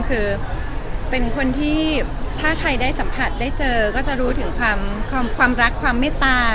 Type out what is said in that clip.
คือเป็นคนที่ถ้าใครได้สัมผัสได้เจอก็จะรู้ถึงความรักความเมตตา